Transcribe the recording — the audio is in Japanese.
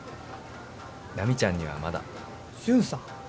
奈未ちゃんにはまだジュンさん